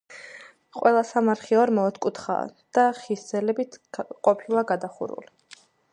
ყველა სამარხი ორმო ოთკუთხაა და ხის ძელებით ყოფილა გადახურული.